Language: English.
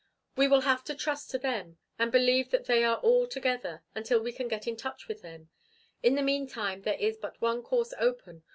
We will have to trust to them and believe that they are all together, until we can get in touch with them. In the meantime there is but one course open.